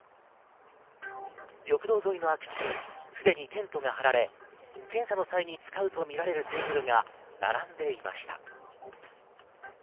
緑道沿いの空き地にすでにテントが張られ、検査の際に使うとみられるテーブルが並んでいました。